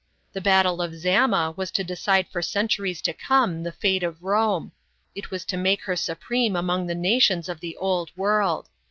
The battle of Zama was to decide for centuries to come, the fate of Rome it was to make her supreme among the nations of the Old World.